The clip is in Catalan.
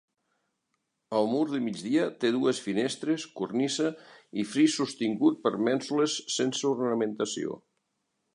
El mur de migdia té dues finestres, cornisa i fris sostingut per mènsules sense ornamentació.